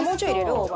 大葉。